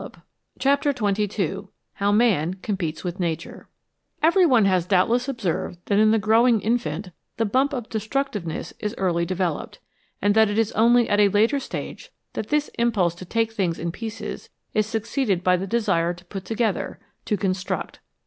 247 CHAPTER XXII HOW MAN COMPETES WITH NATURE EVERY one has doubtless observed that in the grow ing infant the bump of destructiveness is early developed, and that it is only at a later stage that this impulse to take things in pieces is succeeded by the desire to put together to construct.